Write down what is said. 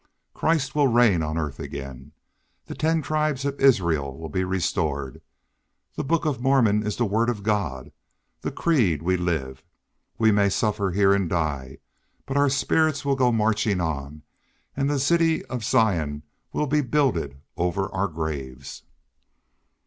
Christ will reign on earth again. The ten tribes of Israel will be restored. The Book of Mormon is the Word of God. The creed will live. We may suffer here and die, but our spirits will go marching on; and the City of Zion will be builded over our graves."